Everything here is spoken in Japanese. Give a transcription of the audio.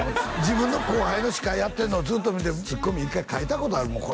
自分の後輩の司会やってるのをずっと見てツッコミ一回書いたことあるもん